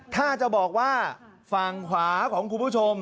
ถ้าจะบอกว่าฝั่งขวาของคุณผู้ชม